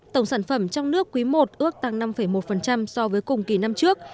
tổng sản phẩm trong nước quý i ước tăng năm một so với cùng kỳ năm trước